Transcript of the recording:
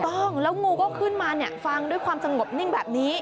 ต้องแล้วงูก็ขึ้นมาฟังด้วยความสงบนิ่งแบบนี้